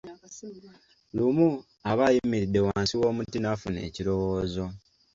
Lumu, aba ayimiridde wansi w'omuti n'afuna ekirowoozo.